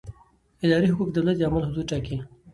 اداري حقوق د دولت د عمل حدود ټاکي.